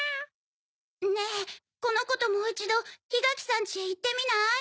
ねぇこの子ともう一度檜垣さんちへ行ってみない？